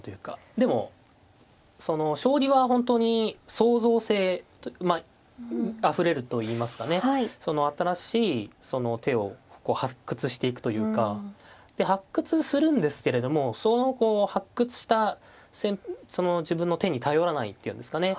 でも将棋は本当に創造性あふれるといいますかね新しい手を発掘していくというか。で発掘するんですけれどもその発掘した自分の手に頼らないっていうんですかね